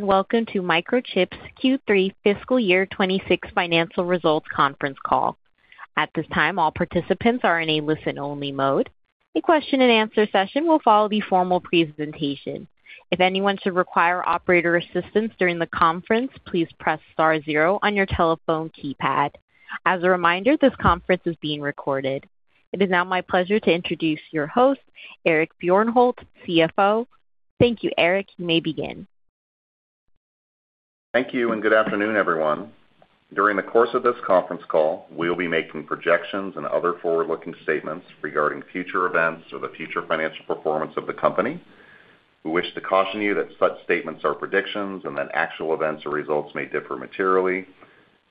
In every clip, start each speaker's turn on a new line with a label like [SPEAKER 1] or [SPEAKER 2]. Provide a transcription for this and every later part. [SPEAKER 1] Welcome to Microchip's Q3 fiscal year 2026 financial results conference call. At this time, all participants are in a listen-only mode. A question-and-answer session will follow the formal presentation. If anyone should require operator assistance during the conference, please press star zero on your telephone keypad. As a reminder, this conference is being recorded. It is now my pleasure to introduce your host, Eric Bjornholt, CFO. Thank you, Eric. You may begin.
[SPEAKER 2] Thank you, and good afternoon, everyone. During the course of this conference call, we'll be making projections and other forward-looking statements regarding future events or the future financial performance of the company. We wish to caution you that such statements are predictions and that actual events or results may differ materially.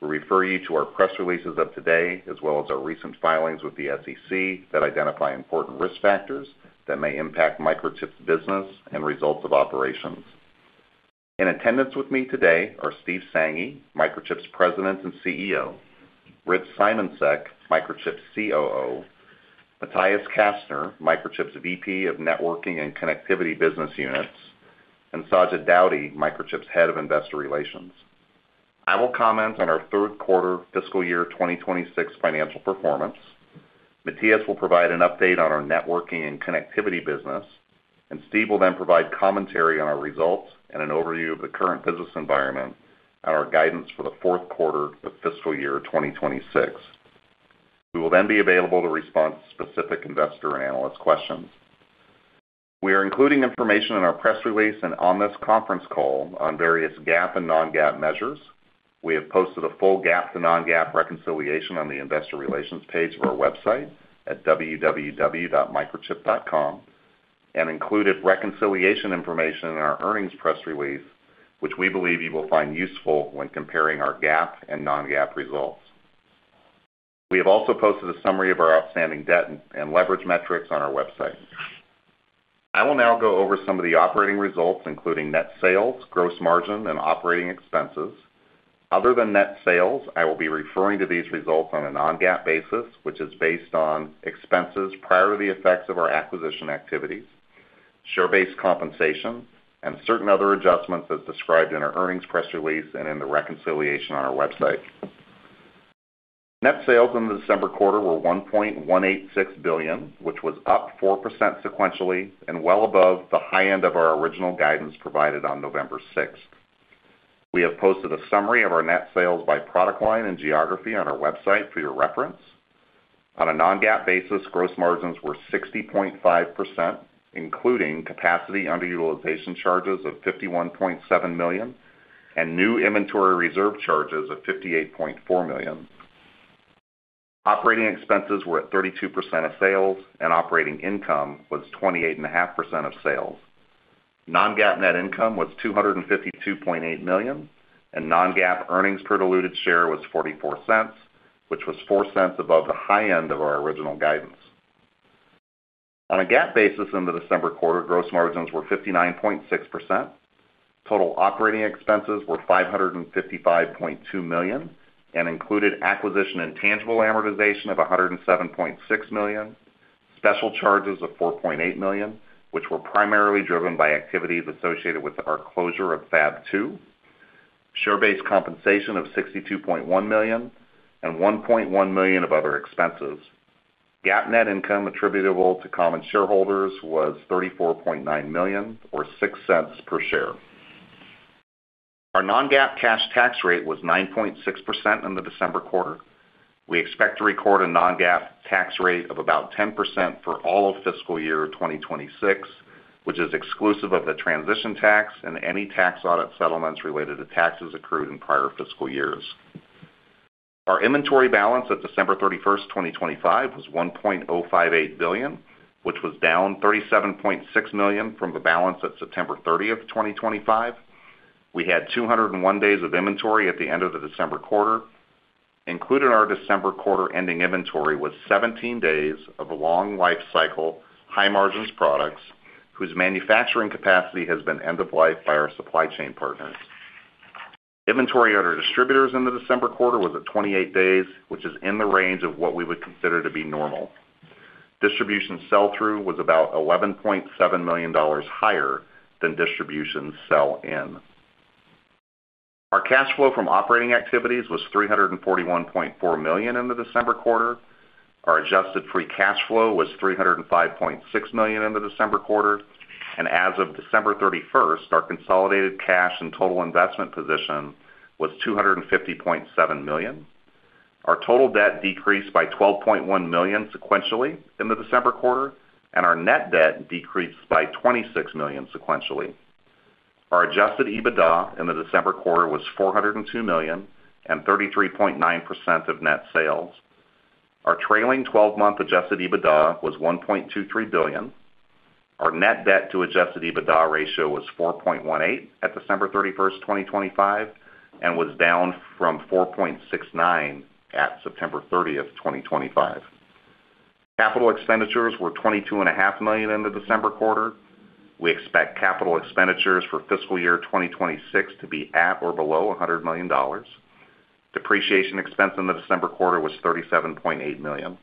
[SPEAKER 2] We refer you to our press releases of today, as well as our recent filings with the SEC, that identify important risk factors that may impact Microchip's business and results of operations. In attendance with me today are Steve Sanghi, Microchip's President and CEO; Rich Simoncic, Microchip's COO; Matthias Kaestner, Microchip's VP of Networking and Connectivity Business Units; and Sajid Daudi, Microchip's Head of Investor Relations. I will comment on our Q3 fiscal year 2026 financial performance. Matthias will provide an update on our networking and connectivity business, and Steve will then provide commentary on our results and an overview of the current business environment and our guidance for the Q4 of fiscal year 2026. We will then be available to respond to specific investor and analyst questions. We are including information in our press release and on this conference call on various GAAP and non-GAAP measures. We have posted a full GAAP to non-GAAP reconciliation on the investor relations page of our website at www.microchip.com, and included reconciliation information in our earnings press release, which we believe you will find useful when comparing our GAAP and non-GAAP results. We have also posted a summary of our outstanding debt and leverage metrics on our website. I will now go over some of the operating results, including net sales, gross margin, and operating expenses. Other than net sales, I will be referring to these results on a non-GAAP basis, which is based on expenses prior to the effects of our acquisition activities, share-based compensation, and certain other adjustments as described in our earnings press release and in the reconciliation on our website. Net sales in the December quarter were $1.186 billion, which was up 4% sequentially and well above the high end of our original guidance provided on November 6. We have posted a summary of our net sales by product line and geography on our website for your reference. On a non-GAAP basis, gross margins were 60.5%, including capacity underutilization charges of $51.7 million and new inventory reserve charges of $58.4 million. Operating expenses were at 32% of sales, and operating income was 28.5% of sales. Non-GAAP net income was $252.8 million, and non-GAAP earnings per diluted share was $0.44, which was $0.04 above the high end of our original guidance. On a GAAP basis, in the December quarter, gross margins were 59.6%. Total operating expenses were $555.2 million and included acquisition and tangible amortization of $107.6 million, special charges of $4.8 million, which were primarily driven by activities associated with our closure of Fab 2, share-based compensation of $62.1 million, and $1.1 million of other expenses. GAAP net income attributable to common shareholders was $34.9 million, or $0.06 per share. Our non-GAAP cash tax rate was 9.6% in the December quarter. We expect to record a non-GAAP tax rate of about 10% for all of fiscal year 2026, which is exclusive of the transition tax and any tax audit settlements related to taxes accrued in prior fiscal years. Our inventory balance at December 31, 2025, was $1.058 billion, which was down $37.6 million from the balance at September 30, 2025. We had 201 days of inventory at the end of the December quarter. Included in our December quarter ending inventory was 17 days of long life cycle, high margins products, whose manufacturing capacity has been end of life by our supply chain partners. Inventory at our distributors in the December quarter was at 28 days, which is in the range of what we would consider to be normal. Distribution sell-through was about $11.7 million higher than distribution sell-in. Our cash flow from operating activities was $341.4 million in the December quarter. Our adjusted free cash flow was $305.6 million in the December quarter, and as of December 31, our consolidated cash and total investment position was $250.7 million. Our total debt decreased by $12.1 million sequentially in the December quarter, and our net debt decreased by $26 million sequentially. Our adjusted EBITDA in the December quarter was $402 million and 33.9% of net sales. Our trailing twelve-month adjusted EBITDA was $1.23 billion. Our net debt to adjusted EBITDA ratio was 4.18 at December 31, 2025, and was down from 4.69 at September 30, 2025. Capital expenditures were $22.5 million in the December quarter. We expect capital expenditures for fiscal year 2026 to be at or below $100 million. Depreciation expense in the December quarter was $37.8 million....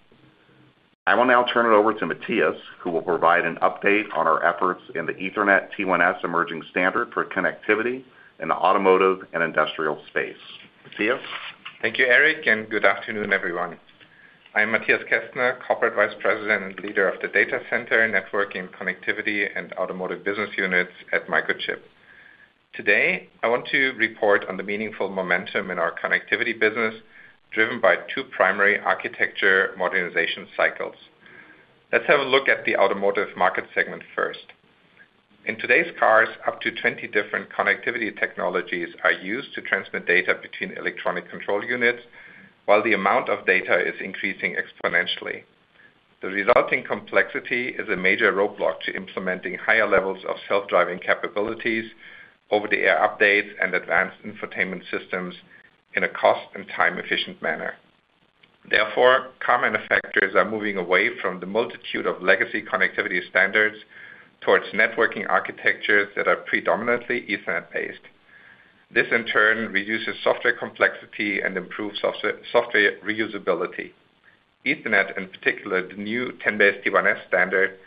[SPEAKER 2] I will now turn it over to Matthias, who will provide an update on our efforts in the 10BASE-T1S emerging standard for connectivity in the automotive and industrial space. Matthias?
[SPEAKER 3] Thank you, Eric, and good afternoon, everyone. I'm Matthias Kaestner, Corporate Vice President and leader of the Data Center, Networking, Connectivity, and Automotive Business Units at Microchip. Today, I want to report on the meaningful momentum in our connectivity business, driven by two primary architecture modernization cycles. Let's have a look at the automotive market segment first. In today's cars, up to 20 different connectivity technologies are used to transmit data between electronic control units, while the amount of data is increasing exponentially. The resulting complexity is a major roadblock to implementing higher levels of self-driving capabilities, over-the-air updates, and advanced infotainment systems in a cost and time-efficient manner. Therefore, car manufacturers are moving away from the multitude of legacy connectivity standards towards networking architectures that are predominantly Ethernet-based. This, in turn, reduces software complexity and improves software reusability. Ethernet, in particular, the new 10BASE-T1S standard,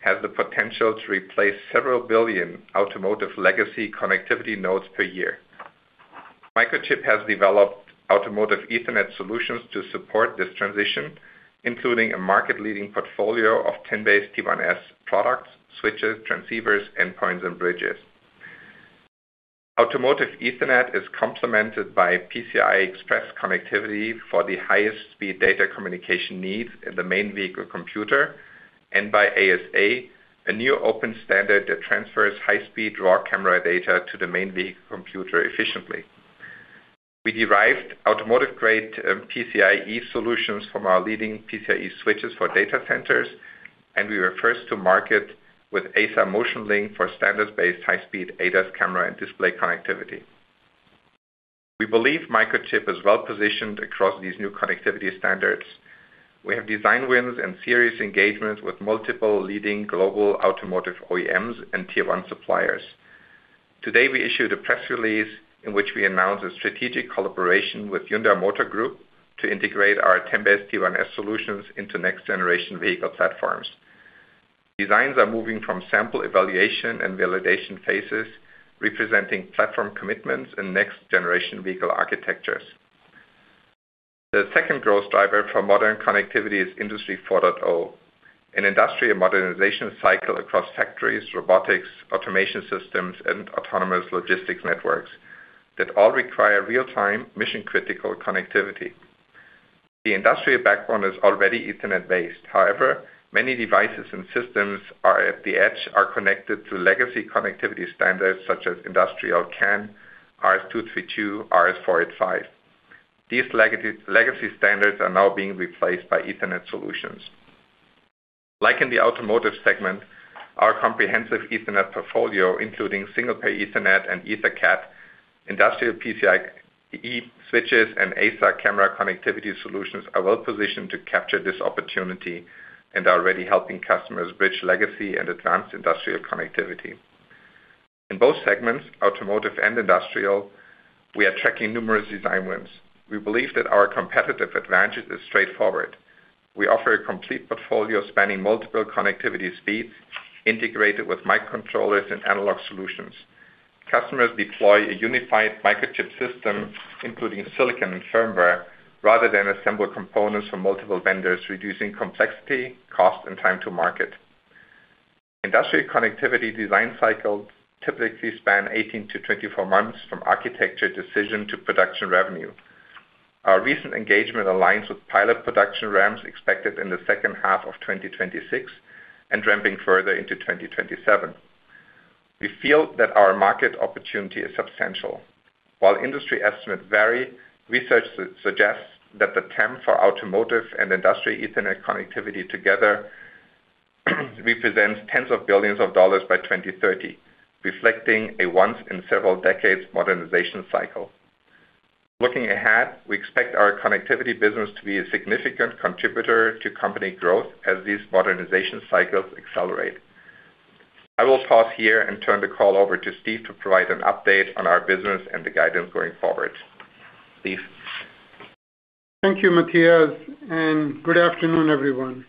[SPEAKER 3] has the potential to replace several billion automotive legacy connectivity nodes per year. Microchip has developed automotive Ethernet solutions to support this transition, including a market-leading portfolio of 10BASE-T1S products, switches, transceivers, endpoints, and bridges. Automotive Ethernet is complemented by PCI Express connectivity for the highest speed data communication needs in the main vehicle computer, and by ASA, a new open standard that transfers high-speed raw camera data to the main vehicle computer efficiently. We derived automotive-grade, PCIe solutions from our leading PCIe switches for data centers, and we were first to market with ASA Motion Link for standards-based, high-speed ADAS camera and display connectivity. We believe Microchip is well positioned across these new connectivity standards. We have design wins and serious engagements with multiple leading global automotive OEMs and Tier One suppliers. Today, we issued a press release in which we announced a strategic collaboration with Hyundai Motor Group to integrate our 10BASE-T1S solutions into next-generation vehicle platforms. Designs are moving from sample evaluation and validation phases, representing platform commitments and next-generation vehicle architectures. The second growth driver for modern connectivity is Industry 4.0, an industrial modernization cycle across factories, robotics, automation systems, and autonomous logistics networks that all require real-time, mission-critical connectivity. The industrial backbone is already Ethernet-based. However, many devices and systems, at the edge, are connected to legacy connectivity standards such as Industrial CAN, RS-232, RS-485. These legacy standards are now being replaced by Ethernet solutions. Like in the automotive segment, our comprehensive Ethernet portfolio, including Single Pair Ethernet and EtherCAT, industrial PCIe switches, and ASA camera connectivity solutions, are well positioned to capture this opportunity and are already helping customers bridge legacy and advanced industrial connectivity. In both segments, automotive and industrial, we are tracking numerous design wins. We believe that our competitive advantage is straightforward. We offer a complete portfolio spanning multiple connectivity speeds, integrated with microcontrollers and analog solutions. Customers deploy a unified Microchip system, including silicon and firmware, rather than assemble components from multiple vendors, reducing complexity, cost, and time to market. Industrial connectivity design cycles typically span 18-24 months, from architecture decision to production revenue. Our recent engagement aligns with pilot production ramps expected in the second half of 2026 and ramping further into 2027. We feel that our market opportunity is substantial. While industry estimates vary, research suggests that the TAM for automotive and industrial Ethernet connectivity together represents tens of billions of dollars by 2030, reflecting a once-in-several-decades modernization cycle. Looking ahead, we expect our connectivity business to be a significant contributor to company growth as these modernization cycles accelerate. I will pause here and turn the call over to Steve to provide an update on our business and the guidance going forward. Steve?
[SPEAKER 4] Thank you, Matthias, and good afternoon, everyone.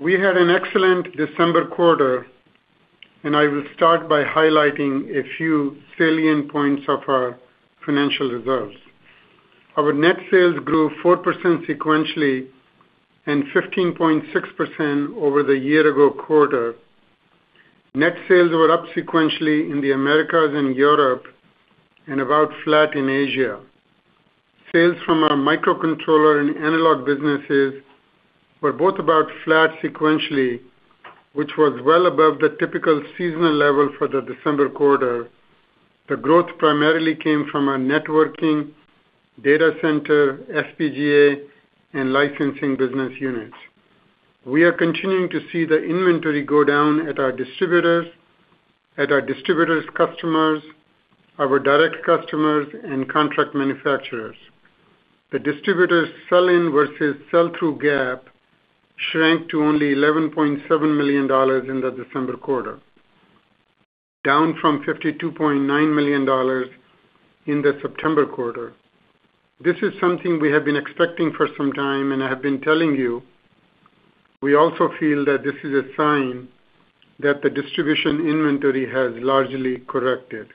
[SPEAKER 4] We had an excellent December quarter, and I will start by highlighting a few salient points of our financial results. Our net sales grew 4% sequentially and 15.6% over the year-ago quarter. Net sales were up sequentially in the Americas and Europe and about flat in Asia. Sales from our microcontroller and analog businesses were both about flat sequentially, which was well above the typical seasonal level for the December quarter. The growth primarily came from our networking, data center, FPGA, and licensing business units. We are continuing to see the inventory go down at our distributors, at our distributors' customers, our direct customers, and contract manufacturers. The distributors' sell-in versus sell-through gap shrank to only $11.7 million in the December quarter, down from $52.9 million in the September quarter. This is something we have been expecting for some time, and I have been telling you, we also feel that this is a sign that the distribution inventory has largely corrected.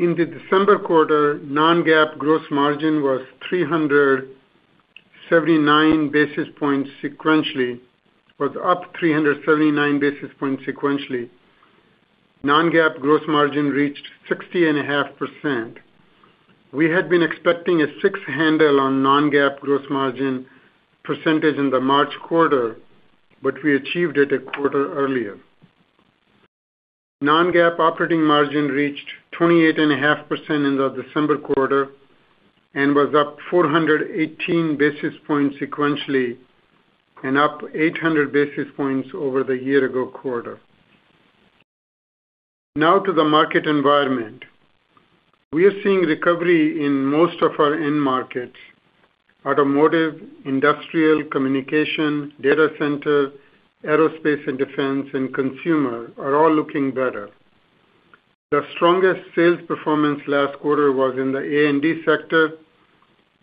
[SPEAKER 4] In the December quarter, non-GAAP gross margin was up 379 basis points sequentially. Non-GAAP gross margin reached 60.5%. We had been expecting a six handle on non-GAAP gross margin percentage in the March quarter, but we achieved it a quarter earlier. Non-GAAP operating margin reached 28.5% in the December quarter and was up 418 basis points sequentially and up 800 basis points over the year-ago quarter. Now to the market environment. We are seeing recovery in most of our end markets. Automotive, industrial, communication, data center, aerospace and defense, and consumer are all looking better. The strongest sales performance last quarter was in the A&D sector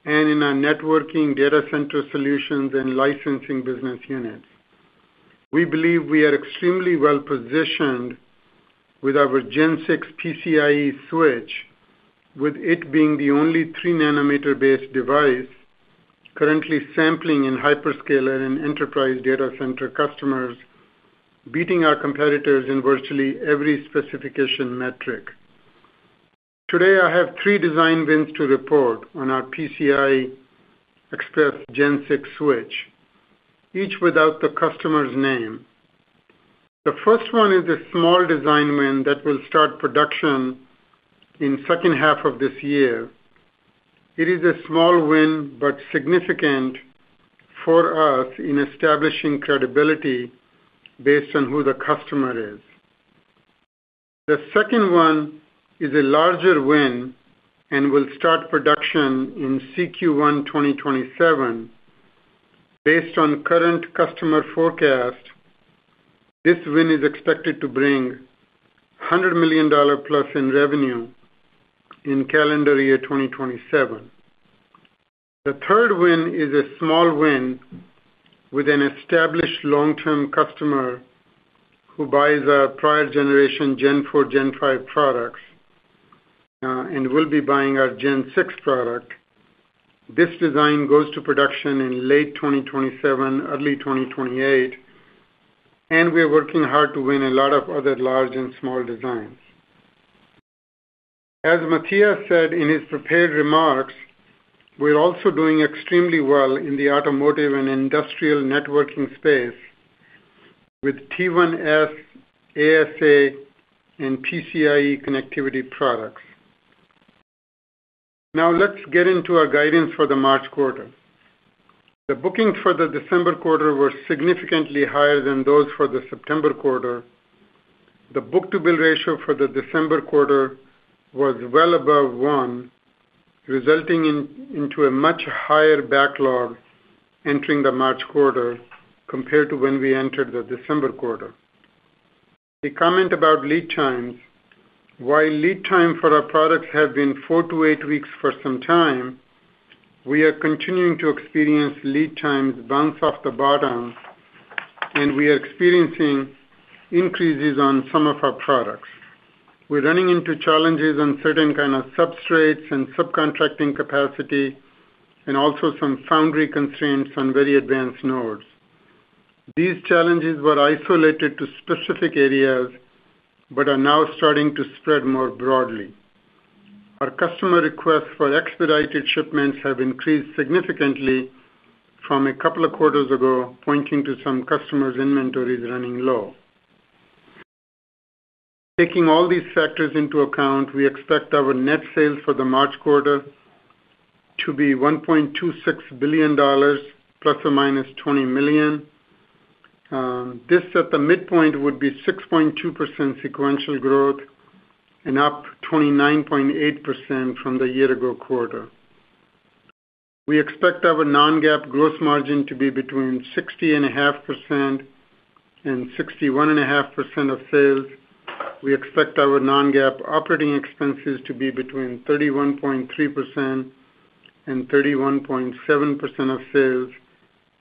[SPEAKER 4] and in our networking data center solutions and licensing business units. We believe we are extremely well positioned with our Gen 6 PCIe switch, with it being the only 3 nanometer-based device currently sampling in hyperscaler and enterprise data center customers, beating our competitors in virtually every specification metric. Today, I have 3 design wins to report on our PCI Express Gen 6 switch, each without the customer's name. The first one is a small design win that will start production in second half of this year. It is a small win, but significant for us in establishing credibility based on who the customer is. The second one is a larger win and will start production in Q1 2027. Based on current customer forecast, this win is expected to bring $100 million plus in revenue in calendar year 2027. The third win is a small win with an established long-term customer who buys our prior generation Gen 4, Gen 5 products, and will be buying our Gen 6 product. This design goes to production in late 2027, early 2028, and we are working hard to win a lot of other large and small designs. As Matthias said in his prepared remarks, we're also doing extremely well in the automotive and industrial networking space with T-one S, ASA, and PCIe connectivity products. Now, let's get into our guidance for the March quarter. The bookings for the December quarter were significantly higher than those for the September quarter. The book-to-bill ratio for the December quarter was well above one, resulting in, into a much higher backlog entering the March quarter compared to when we entered the December quarter. A comment about lead times. While lead time for our products have been 4-8 weeks for some time, we are continuing to experience lead times bounce off the bottom, and we are experiencing increases on some of our products. We're running into challenges on certain kind of substrates and subcontracting capacity and also some foundry constraints on very advanced nodes. These challenges were isolated to specific areas, but are now starting to spread more broadly. Our customer requests for expedited shipments have increased significantly from a couple of quarters ago, pointing to some customers' inventories running low. Taking all these factors into account, we expect our net sales for the March quarter to be $1.26 billion ±$20 million. This, at the midpoint, would be 6.2% sequential growth and up 29.8% from the year ago quarter. We expect our Non-GAAP gross margin to be between 60.5% and 61.5% of sales. We expect our Non-GAAP operating expenses to be between 31.3% and 31.7% of sales,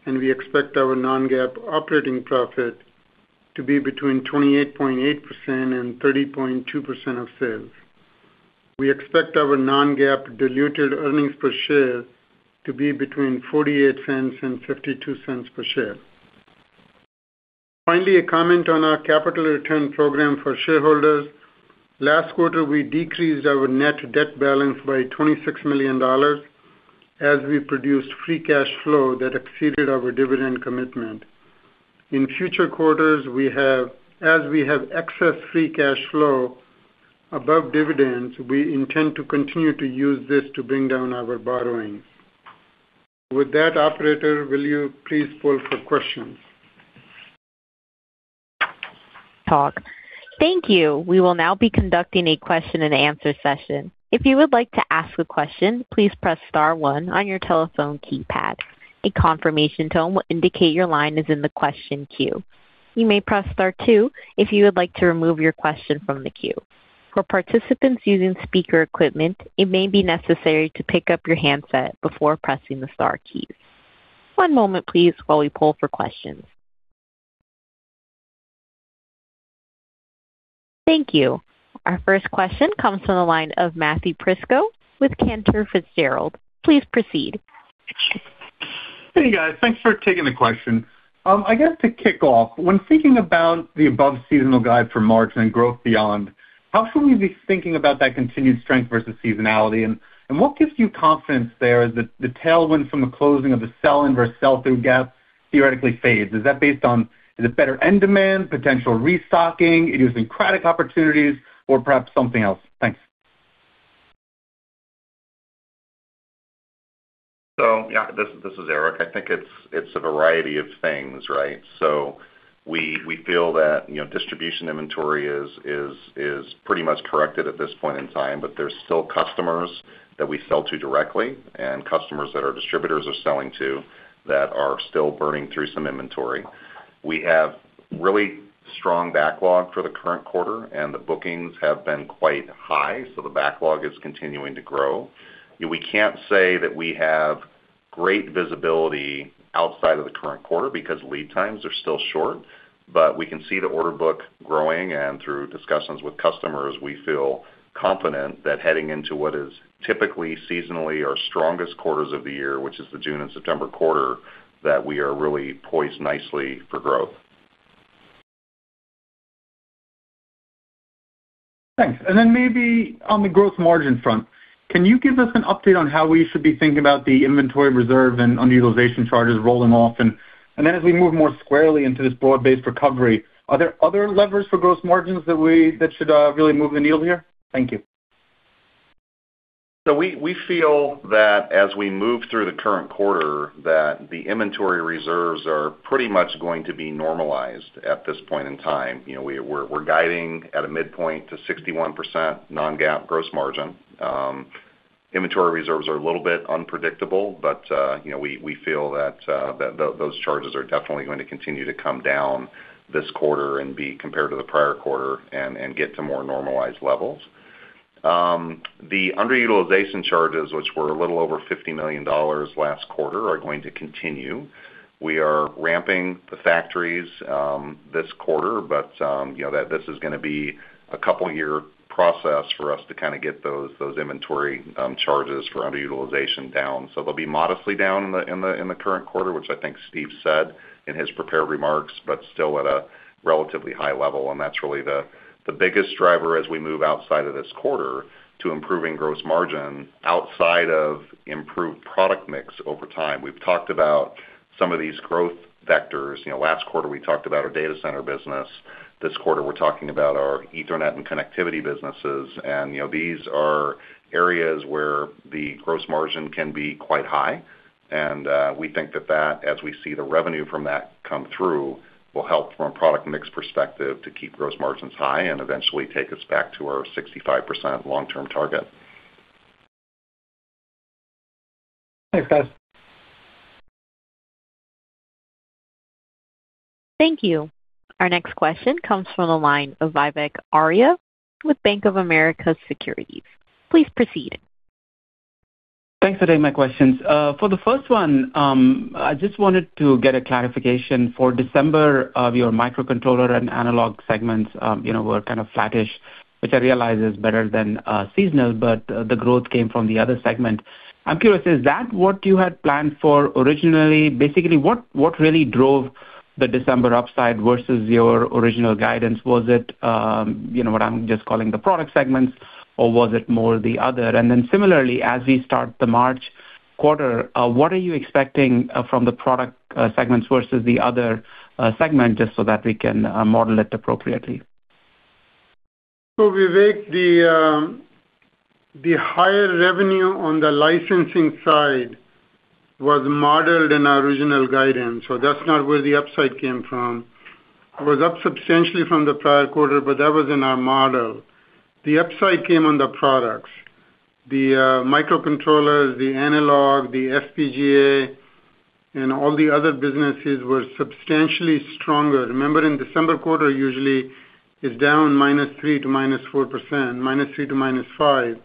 [SPEAKER 4] and we expect our Non-GAAP operating profit to be between 28.8% and 30.2% of sales. We expect our Non-GAAP diluted earnings per share to be between $0.48 and $0.52 per share. Finally, a comment on our capital return program for shareholders. Last quarter, we decreased our net debt balance by $26 million as we produced free cash flow that exceeded our dividend commitment. In future quarters, as we have excess free cash flow above dividends, we intend to continue to use this to bring down our borrowings. With that, operator, will you please pull for questions?
[SPEAKER 1] Thank you. We will now be conducting a question-and-answer session. If you would like to ask a question, please press star one on your telephone keypad.... A confirmation tone will indicate your line is in the question queue. You may press star two if you would like to remove your question from the queue. For participants using speaker equipment, it may be necessary to pick up your handset before pressing the star key. One moment please, while we pull for questions. Thank you. Our first question comes from the line of Matthew Prisco with Cantor Fitzgerald. Please proceed.
[SPEAKER 5] Hey, guys. Thanks for taking the question. I guess to kick off, when thinking about the above seasonal guide for March and growth beyond, how should we be thinking about that continued strength versus seasonality? And what gives you confidence there is that the tailwind from the closing of the sell-in versus sell-through gap theoretically fades? Is that based on, is it better end demand, potential restocking, idiosyncratic opportunities, or perhaps something else? Thanks.
[SPEAKER 2] So yeah, this is Eric. I think it's a variety of things, right? So we feel that, you know, distribution inventory is pretty much corrected at this point in time, but there's still customers that we sell to directly and customers that our distributors are selling to, that are still burning through some inventory. We have really strong backlog for the current quarter, and the bookings have been quite high, so the backlog is continuing to grow. We can't say that we have great visibility outside of the current quarter because lead times are still short, but we can see the order book growing, and through discussions with customers, we feel confident that heading into what is typically seasonally our strongest quarters of the year, which is the June and September quarter, that we are really poised nicely for growth.
[SPEAKER 5] Thanks. And then maybe on the growth margin front, can you give us an update on how we should be thinking about the inventory reserve and underutilization charges rolling off? And then as we move more squarely into this broad-based recovery, are there other levers for growth margins that should really move the needle here? Thank you.
[SPEAKER 2] So we feel that as we move through the current quarter, that the inventory reserves are pretty much going to be normalized at this point in time. You know, we're guiding at a midpoint to 61% non-GAAP gross margin. Inventory reserves are a little bit unpredictable, but, you know, we feel that those charges are definitely going to continue to come down this quarter and be compared to the prior quarter and get to more normalized levels. The underutilization charges, which were a little over $50 million last quarter, are going to continue. We are ramping the factories, this quarter, but, you know, that this is gonna be a couple year process for us to kinda get those inventory charges for underutilization down. So they'll be modestly down in the current quarter, which I think Steve said in his prepared remarks, but still at a relatively high level. And that's really the biggest driver as we move outside of this quarter to improving gross margin outside of improved product mix over time. We've talked about some of these growth vectors. You know, last quarter, we talked about our data center business. This quarter, we're talking about our Ethernet and connectivity businesses. And, you know, these are areas where the gross margin can be quite high, and we think that as we see the revenue from that come through, will help from a product mix perspective to keep gross margins high and eventually take us back to our 65% long-term target.
[SPEAKER 5] Thanks, guys.
[SPEAKER 1] Thank you. Our next question comes from the line of Vivek Arya with Bank of America Securities. Please proceed.
[SPEAKER 6] Thanks for taking my questions. For the first one, I just wanted to get a clarification. For December of your microcontroller and analog segments, you know, were kind of flattish, which I realize is better than seasonal, but the growth came from the other segment. I'm curious, is that what you had planned for originally? Basically, what really drove the December upside versus your original guidance? Was it, you know, what I'm just calling the product segments, or was it more the other? And then similarly, as we start the March quarter, what are you expecting from the product segments versus the other segment, just so that we can model it appropriately?
[SPEAKER 4] So, Vivek, the higher revenue on the licensing side was modeled in our original guidance, so that's not where the upside came from. It was up substantially from the prior quarter, but that was in our model. The upside came on the products. The microcontrollers, the analog, the FPGA, and all the other businesses were substantially stronger. Remember, in December quarter, usually is down -3% to -4%, -3% to -5%.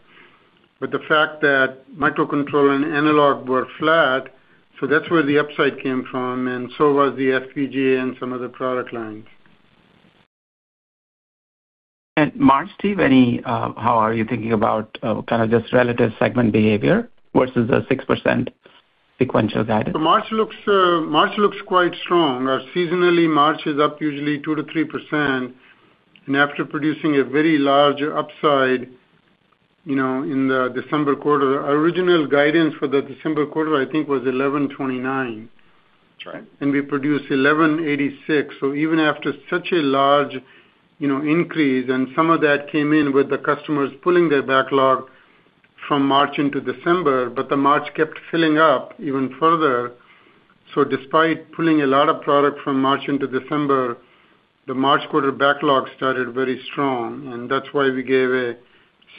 [SPEAKER 4] But the fact that microcontroller and analog were flat, so that's where the upside came from, and so was the FPGA and some other product lines.
[SPEAKER 6] March, Steve, any... How are you thinking about kinda just relative segment behavior versus the 6% sequential guidance?
[SPEAKER 4] March looks, March looks quite strong. Seasonally, March is up usually 2%-3%, and after producing a very large upside, you know, in the December quarter, our original guidance for the December quarter, I think, was $1,129.
[SPEAKER 2] That's right.
[SPEAKER 4] We produced 1.186. So even after such a large, you know, increase, and some of that came in with the customers pulling their backlog from March into December, but the March kept filling up even further. So despite pulling a lot of product from March into December, the March quarter backlog started very strong, and that's why we gave a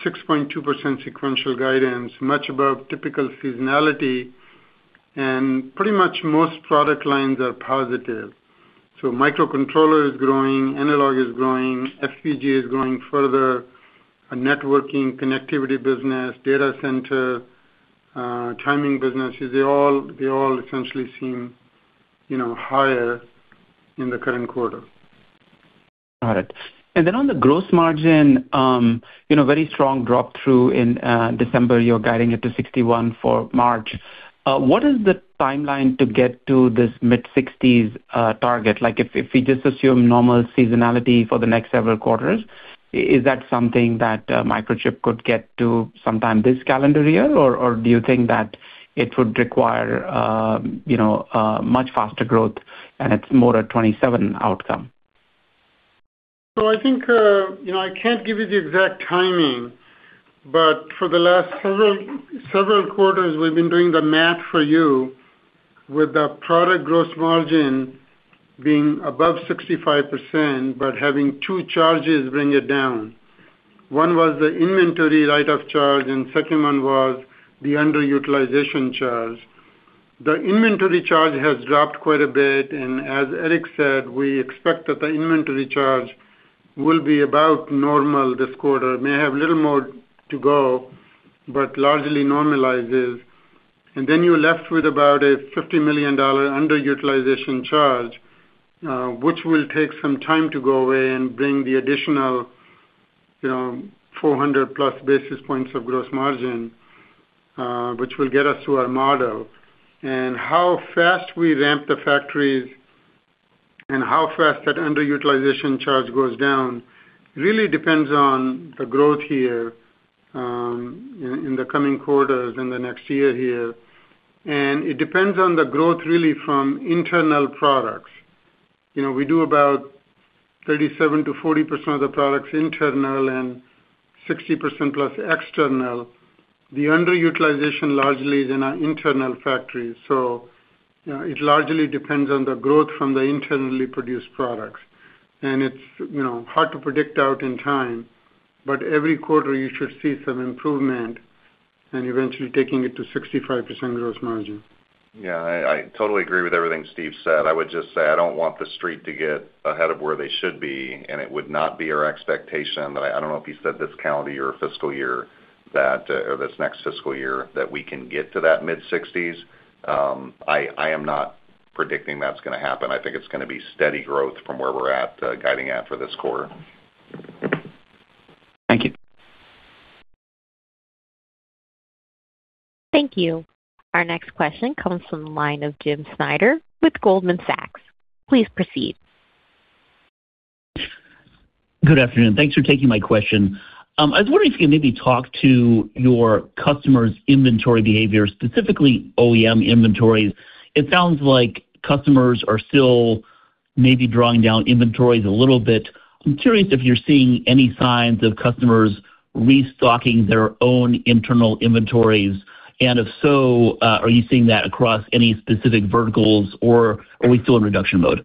[SPEAKER 4] 6.2% sequential guidance, much above typical seasonality. And pretty much most product lines are positive. So microcontroller is growing, analog is growing, FPGA is growing further, our networking, connectivity business, data center, timing businesses, they all, they all essentially seem, you know, higher in the current quarter.
[SPEAKER 6] Got it. And then on the gross margin, you know, very strong drop through in December. You're guiding it to 61% for March. What is the timeline to get to this mid-60s% target? Like, if we just assume normal seasonality for the next several quarters, is that something that Microchip could get to sometime this calendar year? Or do you think that it would require, you know, much faster growth, and it's more a 2027 outcome?
[SPEAKER 4] So I think, you know, I can't give you the exact timing, but for the last several, several quarters, we've been doing the math for you with the product gross margin being above 65%, but having two charges bring it down. One was the inventory write-off charge, and second one was the underutilization charge. The inventory charge has dropped quite a bit, and as Eric said, we expect that the inventory charge will be about normal this quarter. It may have a little more to go, but largely normalizes. And then you're left with about a $50 million underutilization charge, which will take some time to go away and bring the additional, you know, 400+ basis points of gross margin, which will get us to our model. And how fast we ramp the factories and how fast that underutilization charge goes down really depends on the growth here in the coming quarters in the next year here. And it depends on the growth really from internal products. You know, we do about 37%-40% of the products internal and 60%+ external. The underutilization largely is in our internal factories, so it largely depends on the growth from the internally produced products. And it's, you know, hard to predict out in time, but every quarter you should see some improvement and eventually taking it to 65% gross margin.
[SPEAKER 2] Yeah, I totally agree with everything Steve said. I would just say, I don't want the Street to get ahead of where they should be, and it would not be our expectation that I don't know if you said this calendar year or fiscal year, that, or this next fiscal year, that we can get to that mid-sixties. I am not predicting that's gonna happen. I think it's gonna be steady growth from where we're at, guiding at for this quarter.
[SPEAKER 6] Thank you.
[SPEAKER 1] Thank you. Our next question comes from the line of James Schneider with Goldman Sachs. Please proceed.
[SPEAKER 7] Good afternoon. Thanks for taking my question. I was wondering if you could maybe talk to your customers' inventory behavior, specifically OEM inventories. It sounds like customers are still maybe drawing down inventories a little bit. I'm curious if you're seeing any signs of customers restocking their own internal inventories, and if so, are you seeing that across any specific verticals, or are we still in reduction mode?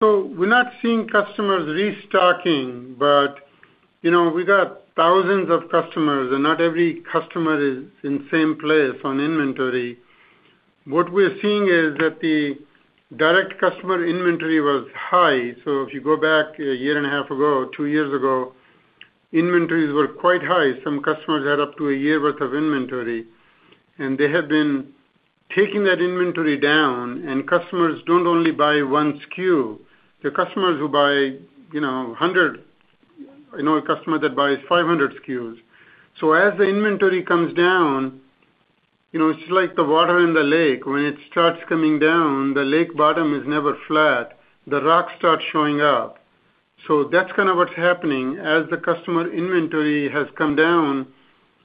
[SPEAKER 4] So we're not seeing customers restocking, but, you know, we got thousands of customers, and not every customer is in the same place on inventory. What we're seeing is that the direct customer inventory was high. So if you go back a year and a half ago, two years ago, inventories were quite high. Some customers had up to a year worth of inventory, and they have been taking that inventory down, and customers don't only buy one SKU. There are customers who buy, you know, 100, I know a customer that buys 500 SKUs. So as the inventory comes down, you know, it's like the water in the lake. When it starts coming down, the lake bottom is never flat. The rocks start showing up. So that's kind of what's happening. As the customer inventory has come down,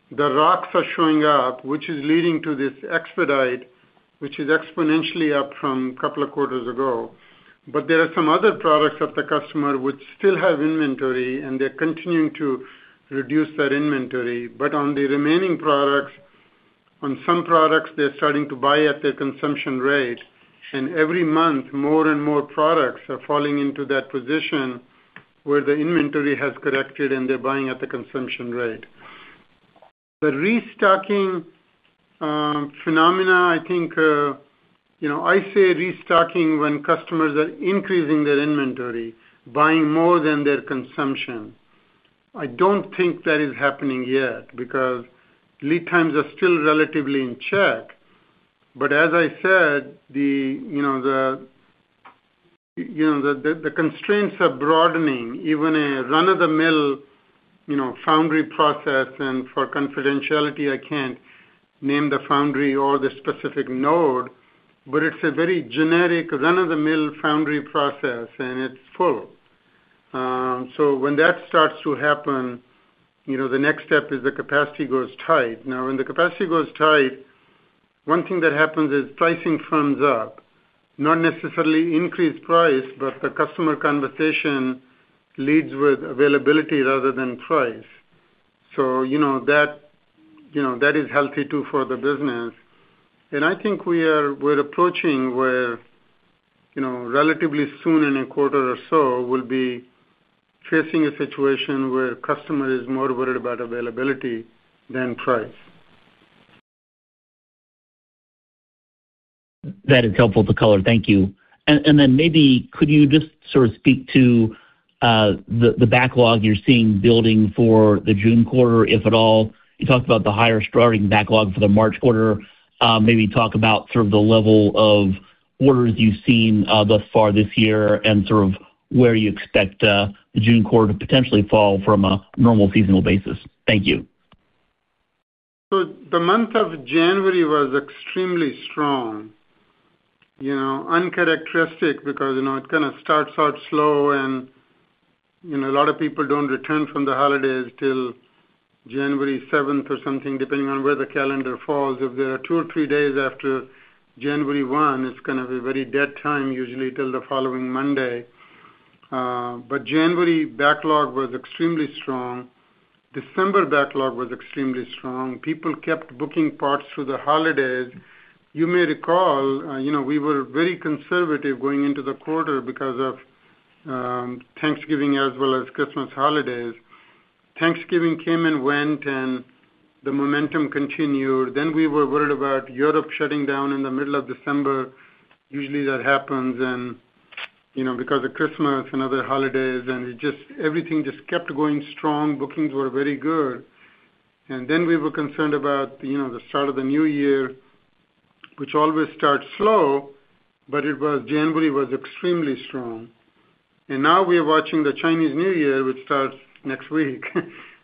[SPEAKER 4] the rocks are showing up, which is leading to this expedite, which is exponentially up from a couple of quarters ago. But there are some other products that the customer would still have inventory, and they're continuing to reduce that inventory. But on the remaining products, on some products, they're starting to buy at their consumption rate, and every month, more and more products are falling into that position where the inventory has corrected, and they're buying at the consumption rate. The restocking phenomena, I think, you know, I say restocking when customers are increasing their inventory, buying more than their consumption. I don't think that is happening yet because lead times are still relatively in check. But as I said, you know, the constraints are broadening. Even a run-of-the-mill, you know, foundry process, and for confidentiality, I can't name the foundry or the specific node, but it's a very generic, run-of-the-mill foundry process, and it's full. So when that starts to happen, you know, the next step is the capacity goes tight. Now, when the capacity goes tight, one thing that happens is pricing firms up. Not necessarily increased price, but the customer conversation leads with availability rather than price... So, you know, that, you know, that is healthy, too, for the business. And I think we're approaching where, you know, relatively soon, in a quarter or so, we'll be facing a situation where customer is more worried about availability than price.
[SPEAKER 7] That is helpful to color. Thank you. And then maybe could you just sort of speak to the backlog you're seeing building for the June quarter, if at all? You talked about the higher starting backlog for the March quarter. Maybe talk about sort of the level of orders you've seen thus far this year and sort of where you expect the June quarter to potentially fall from a normal seasonal basis. Thank you.
[SPEAKER 4] So the month of January was extremely strong, you know, uncharacteristic, because, you know, it kind of starts out slow, and, you know, a lot of people don't return from the holidays till January 7 or something, depending on where the calendar falls. If there are two or three days after January 1, it's gonna be a very dead time, usually till the following Monday. But January backlog was extremely strong. December backlog was extremely strong. People kept booking parts through the holidays. You may recall, you know, we were very conservative going into the quarter because of Thanksgiving as well as Christmas holidays. Thanksgiving came and went, and the momentum continued. Then we were worried about Europe shutting down in the middle of December. Usually, that happens and, you know, because of Christmas and other holidays, and everything just kept going strong. Bookings were very good. And then we were concerned about, you know, the start of the new year, which always starts slow, but January was extremely strong. And now we're watching the Chinese New Year, which starts next week,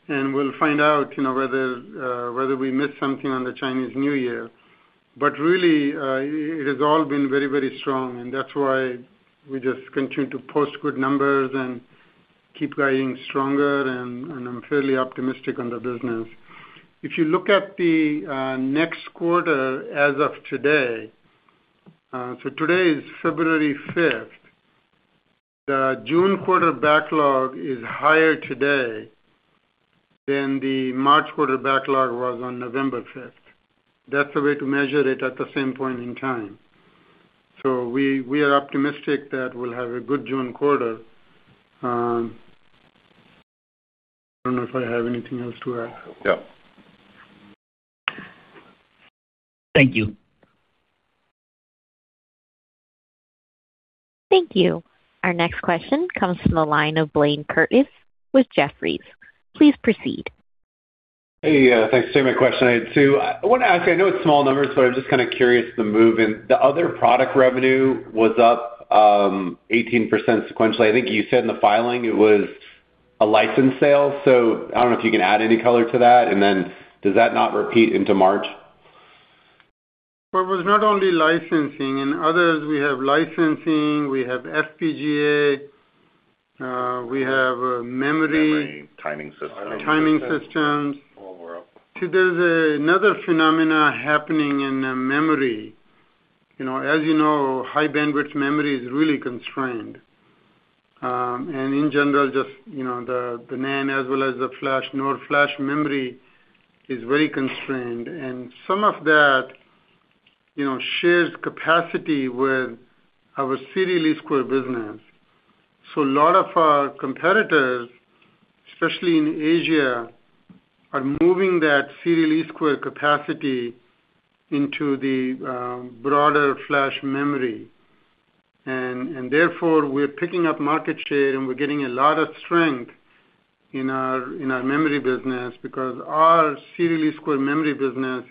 [SPEAKER 4] and we'll find out, you know, whether we missed something on the Chinese New Year. But really, it has all been very, very strong, and that's why we just continue to post good numbers and keep guiding stronger. And I'm fairly optimistic on the business. If you look at the next quarter as of today, so today is February fifth, the June quarter backlog is higher today than the March quarter backlog was on November fifth. That's the way to measure it at the same point in time. So we are optimistic that we'll have a good June quarter. I don't know if I have anything else to add.
[SPEAKER 2] Yeah.
[SPEAKER 7] Thank you.
[SPEAKER 1] Thank you. Our next question comes from the line of Blayne Curtis with Jefferies. Please proceed.
[SPEAKER 8] Hey, thanks for taking my question. I had two. I want to ask, I know it's small numbers, but I'm just kind of curious the move in the other product revenue was up 18% sequentially. I think you said in the filing it was a license sale, so I don't know if you can add any color to that. And then does that not repeat into March?
[SPEAKER 4] Well, it was not only licensing. In others, we have licensing, we have FPGA, we have, memory-
[SPEAKER 2] Memory, timing systems.
[SPEAKER 4] Timing systems.
[SPEAKER 2] One more.
[SPEAKER 4] So there's another phenomenon happening in the memory. You know, as you know, high-bandwidth memory is really constrained. And in general, just, you know, the NAND as well as the flash, NOR flash memory is very constrained. And some of that, you know, shares capacity with our serial EE square business. So a lot of our competitors, especially in Asia, are moving that serial EE square capacity into the broader flash memory. And, and therefore, we're picking up market share, and we're getting a lot of strength in our memory business, because our serial EE square memory business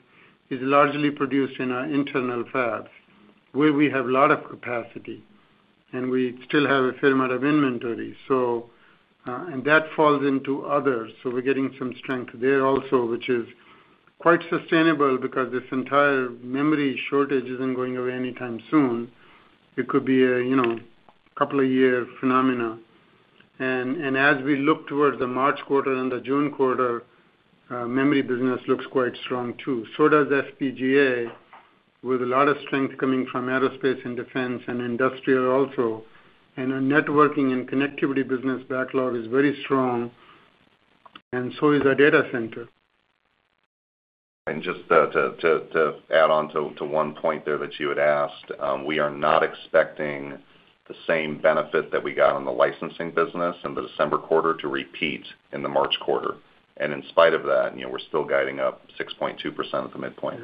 [SPEAKER 4] is largely produced in our internal fabs, where we have a lot of capacity, and we still have a fair amount of inventory. So... And that falls into others, so we're getting some strength there also, which is quite sustainable because this entire memory shortage isn't going away anytime soon. It could be a, you know, couple of year phenomena. And as we look towards the March quarter and the June quarter, memory business looks quite strong too. So does FPGA, with a lot of strength coming from aerospace and defense and industrial also. And our networking and connectivity business backlog is very strong, and so is our data center.
[SPEAKER 2] And just to add on to one point there that you had asked, we are not expecting the same benefit that we got on the licensing business in the December quarter to repeat in the March quarter. And in spite of that, you know, we're still guiding up 6.2% at the midpoint.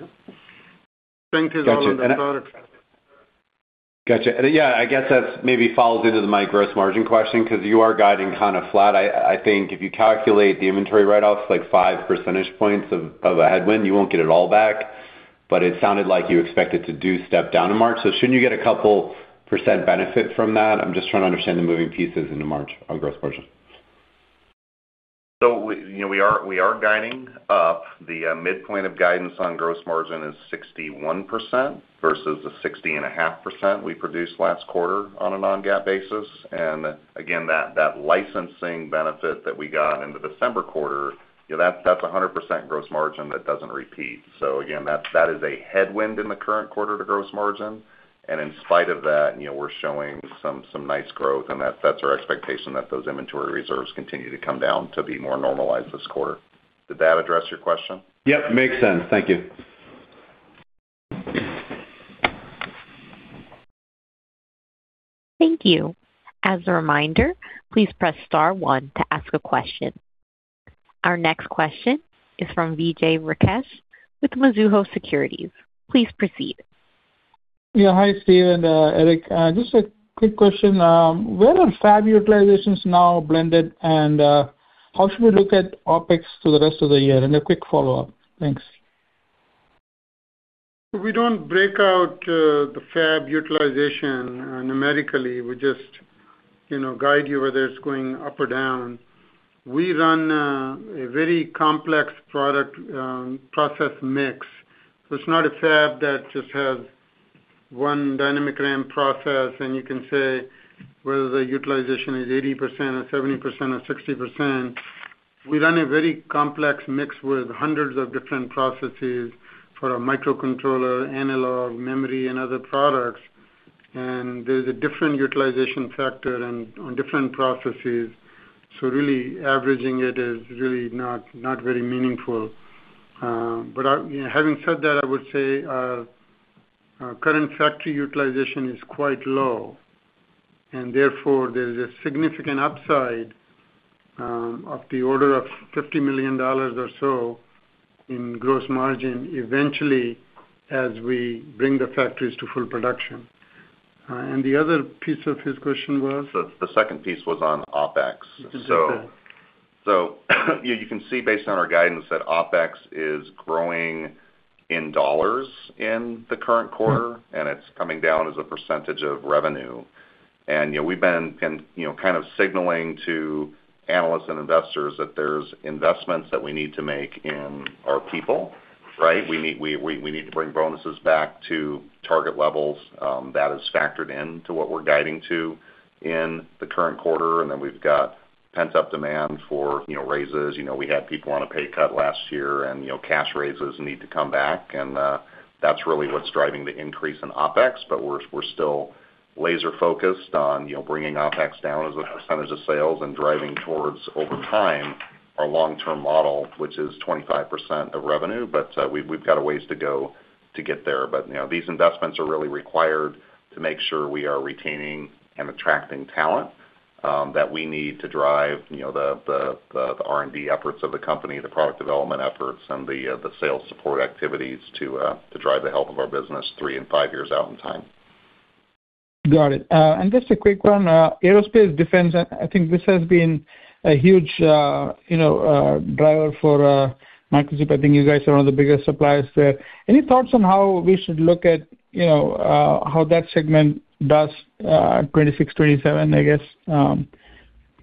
[SPEAKER 4] Thank you.
[SPEAKER 2] Gotcha.
[SPEAKER 4] About it.
[SPEAKER 8] Got it. Yeah, I guess that's maybe follows into my gross margin question, because you are guiding kind of flat. I, I think if you calculate the inventory write-offs, like 5 percentage points of, of a headwind, you won't get it all back. But it sounded like you expected to do step down in March. So shouldn't you get a couple % benefit from that? I'm just trying to understand the moving pieces into March on gross margin.
[SPEAKER 2] So we, you know, we are, we are guiding up. The midpoint of guidance on gross margin is 61% versus the 60.5% we produced last quarter on a non-GAAP basis. And again, that, that licensing benefit that we got in the December quarter, you know, that's, that's a 100% gross margin that doesn't repeat. So again, that, that is a headwind in the current quarter to gross margin. And in spite of that, you know, we're showing some, some nice growth, and that- that's our expectation, that those inventory reserves continue to come down to be more normalized this quarter. Did that address your question?
[SPEAKER 8] Yep, makes sense. Thank you.
[SPEAKER 1] Thank you. As a reminder, please press star one to ask a question. Our next question is from Vijay Rakesh with Mizuho Securities. Please proceed.
[SPEAKER 9] Yeah. Hi, Steve and Eric. Just a quick question. Where are fab utilizations now blended, and how should we look at OpEx through the rest of the year? And a quick follow-up. Thanks.
[SPEAKER 4] We don't break out the fab utilization numerically. We just, you know, guide you whether it's going up or down. We run a very complex product process mix. So it's not a fab that just has one dynamic RAM process, and you can say whether the utilization is 80% or 70% or 60%. We run a very complex mix with hundreds of different processes for our microcontroller, analog, memory, and other products, and there's a different utilization factor and on different processes. So really, averaging it is really not, not very meaningful. But, you know, having said that, I would say our current factory utilization is quite low, and therefore, there's a significant upside of the order of $50 million or so in gross margin eventually, as we bring the factories to full production. The other piece of his question was?
[SPEAKER 2] The second piece was on OpEx.
[SPEAKER 4] You can take that.
[SPEAKER 2] You can see based on our guidance, that OpEx is growing in dollars in the current quarter, and it's coming down as a percentage of revenue. And, you know, we've been you know, kind of signaling to analysts and investors that there's investments that we need to make in our people, right? We need, we, we, we need to bring bonuses back to target levels. That is factored into what we're guiding to in the current quarter, and then we've got pent-up demand for, you know, raises. You know, we had people on a pay cut last year, and, you know, cash raises need to come back, and that's really what's driving the increase in OpEx. But we're still laser focused on, you know, bringing OpEx down as a percentage of sales and driving towards, over time, our long-term model, which is 25% of revenue. But we've got a ways to go to get there. But, you know, these investments are really required to make sure we are retaining and attracting talent that we need to drive, you know, the R&D efforts of the company, the product development efforts, and the sales support activities to drive the health of our business three and five years out in time.
[SPEAKER 9] Got it. And just a quick one, aerospace defense, I think this has been a huge, you know, driver for Microchip. I think you guys are one of the biggest suppliers there. Any thoughts on how we should look at, you know, how that segment does, 2026, 2027, I guess?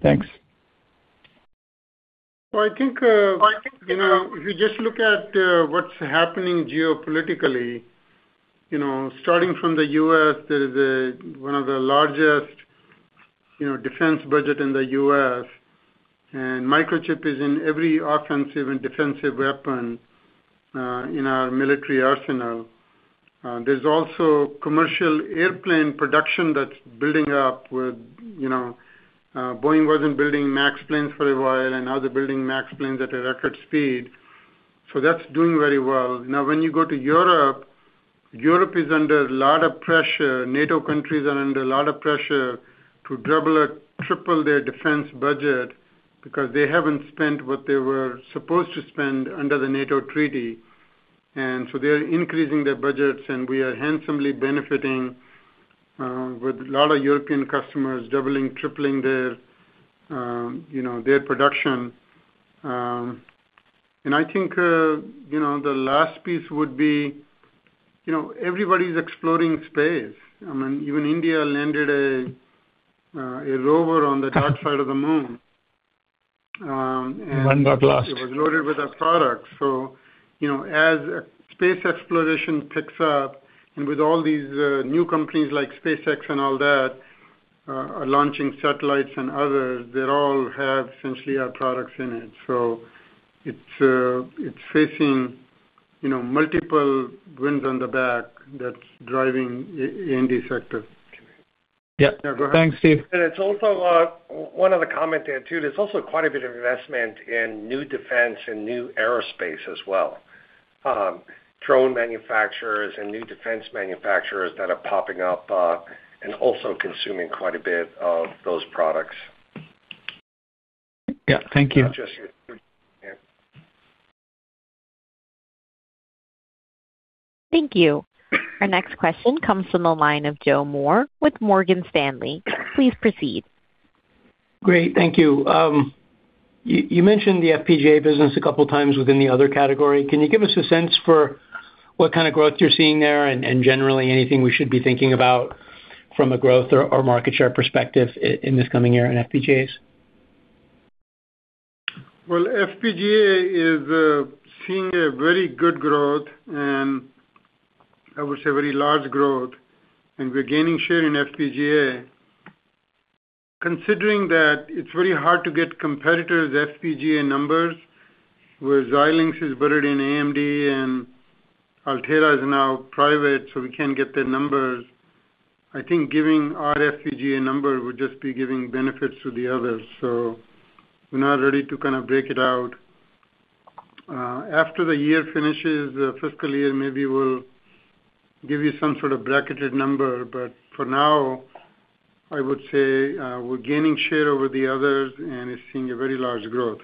[SPEAKER 9] Thanks.
[SPEAKER 4] Well, I think, I think, you know, if you just look at, what's happening geopolitically, you know, starting from the U.S., there is one of the largest, you know, defense budget in the U.S., and Microchip is in every offensive and defensive weapon, in our military arsenal. There's also commercial airplane production that's building up with, you know... Boeing wasn't building MAX planes for a while, and now they're building MAX planes at a record speed. So that's doing very well. Now, when you go to Europe, Europe is under a lot of pressure. NATO countries are under a lot of pressure to double or triple their defense budget because they haven't spent what they were supposed to spend under the NATO treaty. And so they're increasing their budgets, and we are handsomely benefiting with a lot of European customers doubling, tripling their, you know, their production. And I think, you know, the last piece would be, you know, everybody's exploring space. I mean, even India landed a rover on the dark side of the moon. And-
[SPEAKER 9] Chandrayaan-1.
[SPEAKER 4] It was loaded with our products. So, you know, as space exploration picks up and with all these new companies like SpaceX and all that are launching satellites and others, they all have essentially our products in it. So it's facing, you know, multiple winds on the back that's driving in this sector.
[SPEAKER 9] Yeah.
[SPEAKER 4] Yeah, go ahead.
[SPEAKER 9] Thanks, Steve.
[SPEAKER 2] It's also one other comment there, too. There's also quite a bit of investment in new defense and new aerospace as well. Drone manufacturers and new defense manufacturers that are popping up, and also consuming quite a bit of those products.
[SPEAKER 9] Yeah. Thank you.
[SPEAKER 2] Not just... Yeah.
[SPEAKER 1] Thank you. Our next question comes from the line of Joe Moore with Morgan Stanley. Please proceed.
[SPEAKER 10] Great. Thank you. You mentioned the FPGA business a couple times within the other category. Can you give us a sense for what kind of growth you're seeing there and generally anything we should be thinking about from a growth or market share perspective in this coming year in FPGAs?
[SPEAKER 4] Well, FPGA is seeing a very good growth, and I would say very large growth, and we're gaining share in FPGA. Considering that it's very hard to get competitors' FPGA numbers, where Xilinx is buried in AMD and Altera is now private, so we can't get their numbers. I think giving our FPGA number would just be giving benefits to the others. So we're not ready to kind of break it out.... after the year finishes, the fiscal year, maybe we'll give you some sort of bracketed number, but for now, I would say, we're gaining share over the others, and it's seeing a very large growth.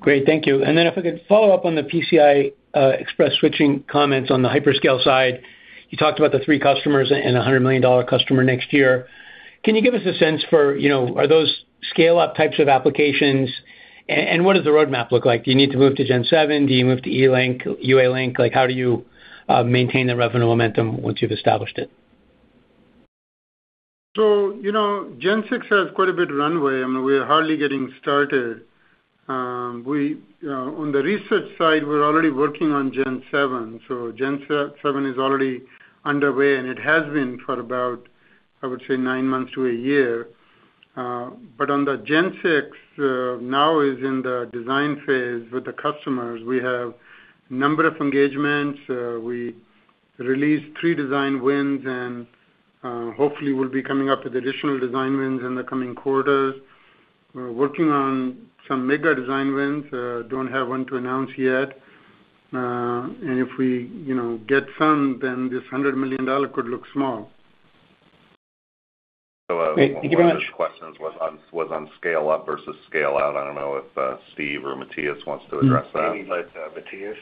[SPEAKER 4] Great, thank you. And then if I could follow up on the PCI Express switching comments on the hyperscale side. You talked about the three customers and a $100 million customer next year. Can you give us a sense for, you know, are those scale-up types of applications? And what does the roadmap look like? Do you need to move to Gen 7? Do you move to E-link, UALink? Like, how do you maintain the revenue momentum once you've established it? So, you know, Gen 6 has quite a bit of runway. I mean, we are hardly getting started. On the research side, we're already working on Gen 7, so Gen 7 is already underway, and it has been for about, I would say, 9 months to a year. But on the Gen 6, now is in the design phase with the customers. We have number of engagements. We released 3 design wins, and hopefully, we'll be coming up with additional design wins in the coming quarters. We're working on some mega design wins. Don't have one to announce yet. And if we, you know, get some, then this $100 million could look small. Great. Thank you very much.
[SPEAKER 2] One of the questions was on scale up versus scale out. I don't know if Steve or Matthias wants to address that.
[SPEAKER 4] Maybe let Matthias.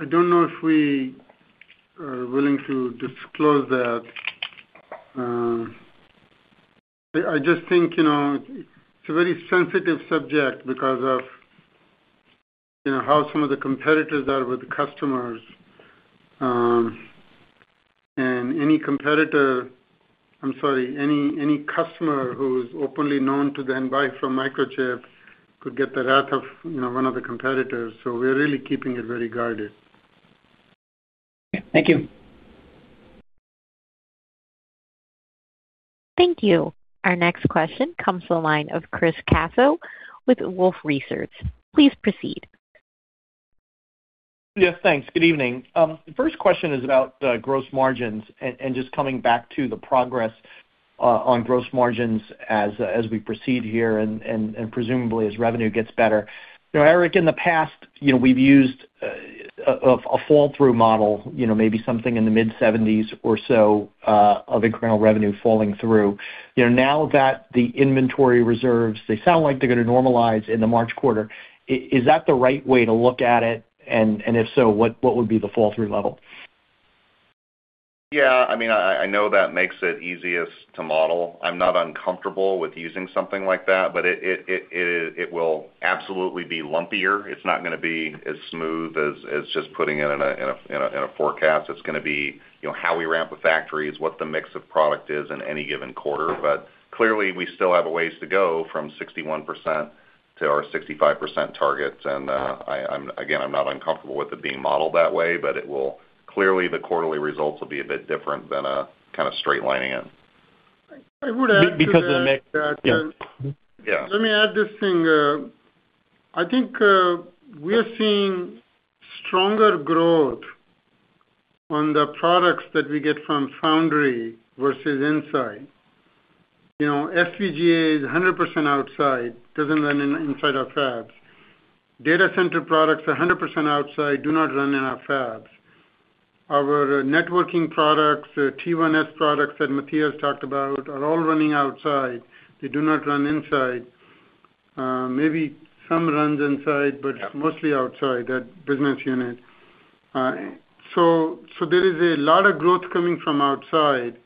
[SPEAKER 4] I don't know if we are willing to disclose that. I just think, you know, it's a very sensitive subject because of, you know, how some of the competitors are with the customers. And any competitor—I'm sorry, any customer who is openly known to then buy from Microchip could get the wrath of, you know, one of the competitors, so we're really keeping it very guarded. Thank you.
[SPEAKER 1] Thank you. Our next question comes to the line of Chris Caso with Wolfe Research. Please proceed.
[SPEAKER 11] Yes, thanks. Good evening. The first question is about gross margins and just coming back to the progress on gross margins as we proceed here and presumably as revenue gets better. You know, Eric, in the past, you know, we've used a fall-through model, you know, maybe something in the mid-seventies or so of incremental revenue falling through. You know, now that the inventory reserves, they sound like they're gonna normalize in the March quarter, is that the right way to look at it? And if so, what would be the fall-through level?
[SPEAKER 2] Yeah, I mean, I know that makes it easiest to model. I'm not uncomfortable with using something like that, but it will absolutely be lumpier. It's not gonna be as smooth as just putting it in a forecast. It's gonna be, you know, how we ramp with factories, what the mix of product is in any given quarter. But clearly, we still have a ways to go from 61% to our 65% target. And, again, I'm not uncomfortable with it being modeled that way, but it will, clearly, the quarterly results will be a bit different than kind of straight lining it.
[SPEAKER 4] I would add to that-
[SPEAKER 11] Because of mix, yeah.
[SPEAKER 2] Yeah.
[SPEAKER 4] Let me add this thing. I think we are seeing stronger growth on the products that we get from Foundry versus inside. You know, FPGA is 100% outside, doesn't run inside our fabs. Data center products are 100% outside, do not run in our fabs. Our networking products, T1S products that Matthias talked about, are all running outside. They do not run inside. Maybe some runs inside-
[SPEAKER 11] Yeah...
[SPEAKER 4] but mostly outside that business unit. There is a lot of growth coming from outside,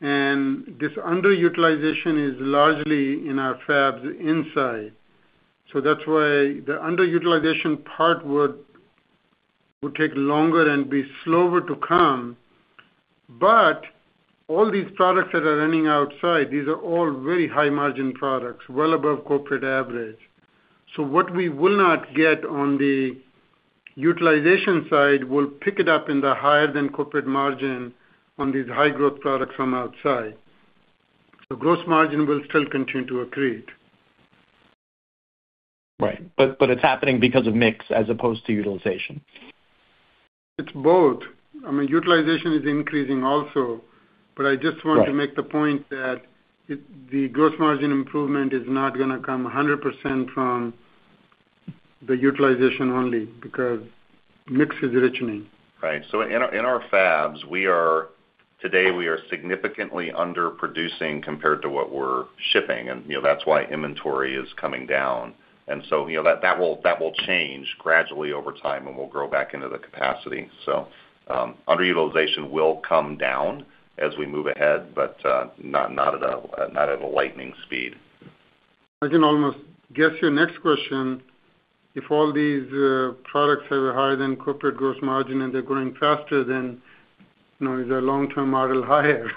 [SPEAKER 4] and this underutilization is largely in our fabs inside. So that's why the underutilization part would take longer and be slower to come. But all these products that are running outside, these are all very high-margin products, well above corporate average. So what we will not get on the utilization side, will pick it up in the higher-than-corporate margin on these high-growth products from outside. The gross margin will still continue to accrete.
[SPEAKER 11] Right. But it's happening because of mix as opposed to utilization?
[SPEAKER 4] It's both. I mean, utilization is increasing also, but I just-
[SPEAKER 11] Right...
[SPEAKER 4] want to make the point that the gross margin improvement is not gonna come 100% from the utilization only, because mix is richening.
[SPEAKER 2] Right. So in our fabs, we are today significantly underproducing compared to what we're shipping, and, you know, that's why inventory is coming down. And so, you know, that will change gradually over time, and we'll grow back into the capacity. So underutilization will come down as we move ahead, but not at a lightning speed.
[SPEAKER 4] I can almost guess your next question. If all these products have a higher-than-corporate gross margin and they're growing faster than, you know, is our long-term model higher?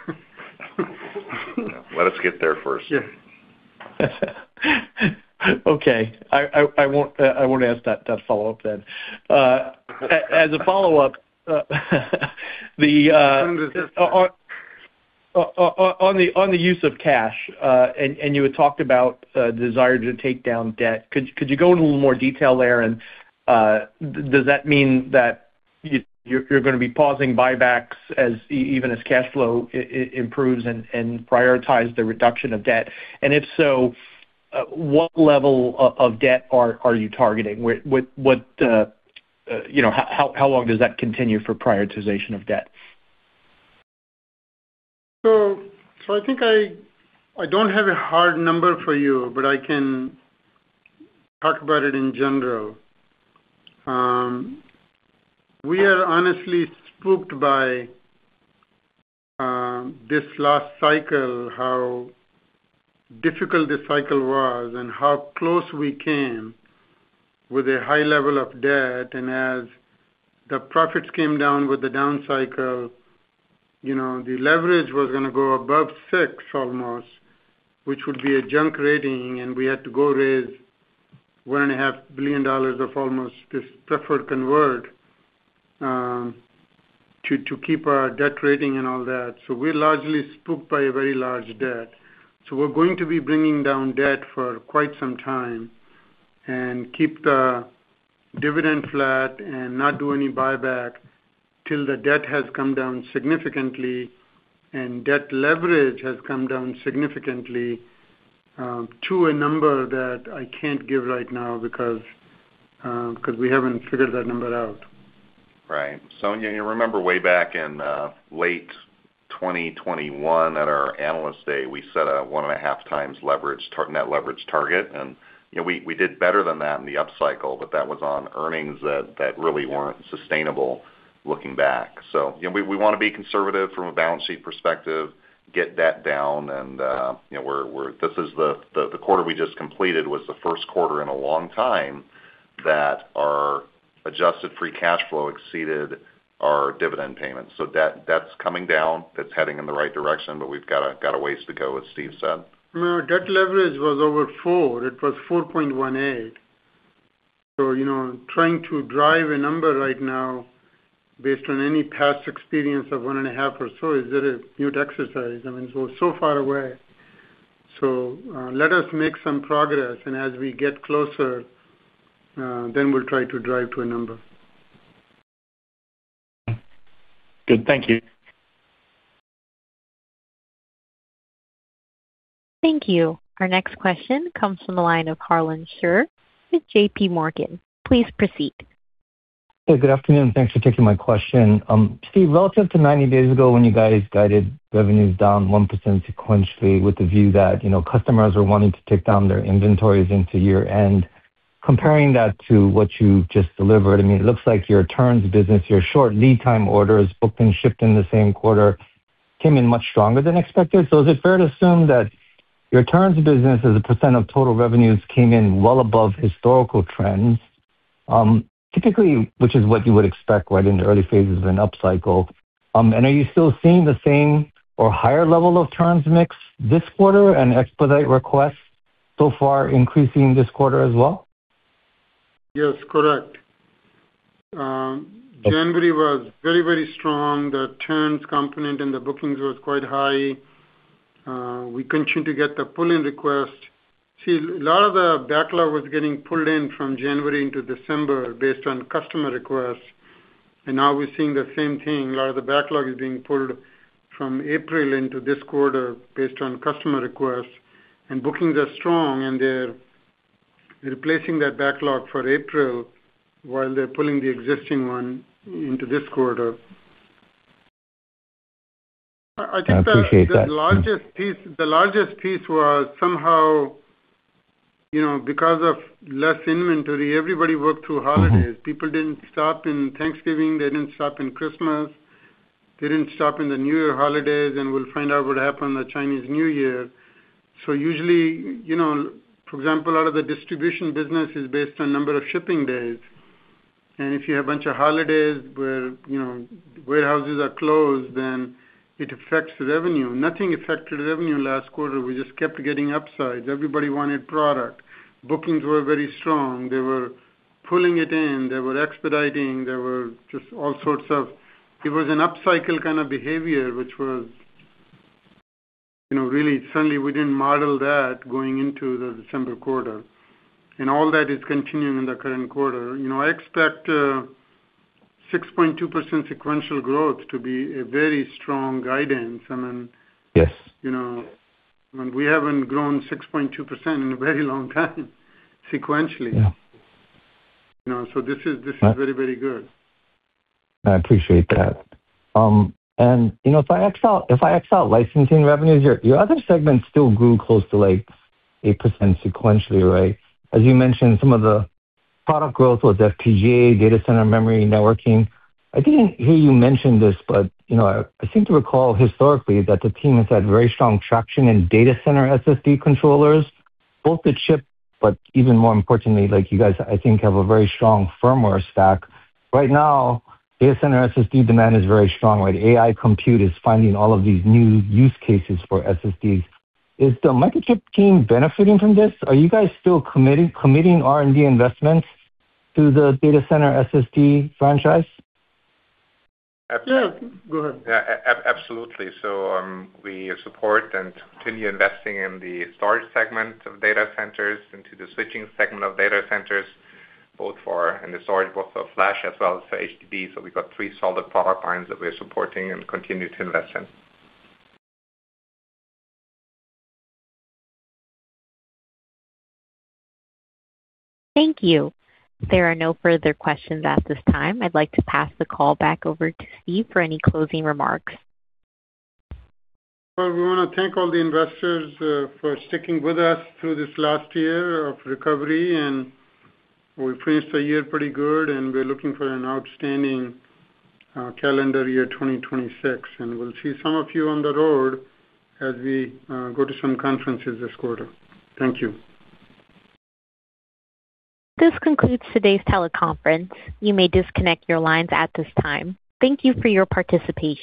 [SPEAKER 2] Let us get there first.
[SPEAKER 4] Yeah.
[SPEAKER 11] Okay. I won't ask that follow-up then. As a follow-up, the-
[SPEAKER 4] When is this?
[SPEAKER 11] On the use of cash, and you had talked about desire to take down debt. Could you go into a little more detail there? And does that mean that you, you're gonna be pausing buybacks as even as cash flow improves and prioritize the reduction of debt? And if so, what level of debt are you targeting? What you know, how long does that continue for prioritization of debt?
[SPEAKER 4] I think I don't have a hard number for you, but I can talk about it in general. We are honestly spooked by this last cycle, how difficult this cycle was and how close we came with a high level of debt. And as the profits came down with the down cycle, you know, the leverage was gonna go above six almost, which would be a junk rating, and we had to go raise $1.5 billion of almost this preferred convert, to keep our debt rating and all that. So we're largely spooked by a very large debt. So we're going to be bringing down debt for quite some time and keep the dividend flat and not do any buyback till the debt has come down significantly and debt leverage has come down significantly to a number that I can't give right now because we haven't figured that number out.
[SPEAKER 2] Right. So, you know remember way back in late 2021 at our Analyst Day, we set a 1.5x leverage, net leverage target, and, you know, we, we did better than that in the upcycle, but that was on earnings that, that really weren't sustainable, looking back. So, you know, we, we wanna be conservative from a balance sheet perspective, get debt down, and, you know, we're, we're—this is the, the quarter we just completed was the Q1 in a long time that our adjusted free cash flow exceeded our dividend payments. So debt, debt's coming down, that's heading in the right direction, but we've got a, got a ways to go, as Steve said.
[SPEAKER 4] No, debt leverage was over 4. It was 4.18. So, you know, trying to drive a number right now based on any past experience of 1.5 or so is a very moot exercise. I mean, it's so far away. So, let us make some progress, and as we get closer, then we'll try to drive to a number.
[SPEAKER 11] Good. Thank you.
[SPEAKER 1] Thank you. Our next question comes from the line of Harlan Sur with J.P. Morgan. Please proceed.
[SPEAKER 12] Hey, good afternoon, thanks for taking my question. Steve, relative to 90 days ago when you guys guided revenues down 1% sequentially with the view that, you know, customers are wanting to take down their inventories into year-end. Comparing that to what you just delivered, I mean, it looks like your turns business, your short lead time orders, booked and shipped in the same quarter, came in much stronger than expected. So is it fair to assume that your turns business as a percent of total revenues came in well above historical trends, typically, which is what you would expect right in the early phases of an upcycle? And are you still seeing the same or higher level of turns mix this quarter and expedite requests so far increasing this quarter as well?
[SPEAKER 4] Yes, correct. January was very, very strong. The turns component and the bookings was quite high. We continue to get the pull-in request. See, a lot of the backlog was getting pulled in from January into December based on customer requests, and now we're seeing the same thing. A lot of the backlog is being pulled from April into this quarter based on customer requests, and bookings are strong, and they're replacing that backlog for April while they're pulling the existing one into this quarter.
[SPEAKER 12] I appreciate that.
[SPEAKER 4] The largest piece, the largest piece was somehow, you know, because of less inventory, everybody worked through holidays. People didn't stop in Thanksgiving, they didn't stop in Christmas, they didn't stop in the New Year holidays, and we'll find out what happened on the Chinese New Year. So usually, you know, for example, a lot of the distribution business is based on number of shipping days, and if you have a bunch of holidays where, you know, warehouses are closed, then it affects revenue. Nothing affected revenue last quarter. We just kept getting upsides. Everybody wanted product. Bookings were very strong. They were pulling it in, they were expediting, there were just all sorts of... It was an upcycle kind of behavior, which was, you know, really suddenly we didn't model that going into the December quarter. And all that is continuing in the current quarter. You know, I expect, 6.2% sequential growth to be a very strong guidance. I mean-
[SPEAKER 12] Yes.
[SPEAKER 4] You know, and we haven't grown 6.2% in a very long time, sequentially.
[SPEAKER 12] Yeah.
[SPEAKER 4] You know, so this is, this is very, very good.
[SPEAKER 12] I appreciate that. And, you know, if I exclude licensing revenues, your other segments still grew close to, like, 8% sequentially, right? As you mentioned, some of the product growth was FPGA, data center, memory, networking. I didn't hear you mention this, but you know, I seem to recall historically that the team has had very strong traction in data center SSD controllers, both the chip, but even more importantly, like you guys, I think, have a very strong firmware stack. Right now, data center SSD demand is very strong, right? AI compute is finding all of these new use cases for SSD. Is the Microchip team benefiting from this? Are you guys still committing R&D investments to the data center SSD franchise?
[SPEAKER 2] Absolutely.
[SPEAKER 4] Yeah, go ahead.
[SPEAKER 2] Yeah, absolutely. So, we support and continue investing in the storage segment of data centers, into the switching segment of data centers, both for... in the storage, both for flash as well as for HDD. So we've got three solid product lines that we are supporting and continue to invest in.
[SPEAKER 1] Thank you. There are no further questions at this time. I'd like to pass the call back over to Steve for any closing remarks.
[SPEAKER 4] Well, we want to thank all the investors for sticking with us through this last year of recovery, and we finished the year pretty good, and we're looking for an outstanding calendar year 2026. We'll see some of you on the road as we go to some conferences this quarter. Thank you.
[SPEAKER 1] This concludes today's teleconference. You may disconnect your lines at this time. Thank you for your participation.